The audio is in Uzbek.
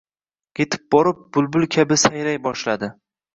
Yetib borib, bulbul kabi sayray boshladi.